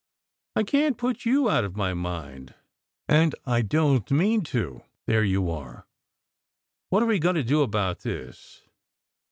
I can t put you out of my mind, and I don t mean to. There you are! What are we going to do about this?